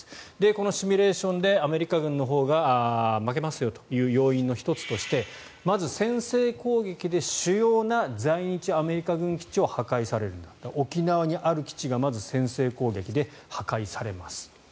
このシミュレーションでアメリカ軍のほうが負けますよという要因の１つとしてまず先制攻撃で主要な在日アメリカ軍基地が破壊される沖縄にある基地がまず先制攻撃で破壊されます。